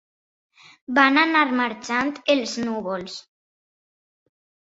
Van anar marxant els núvols.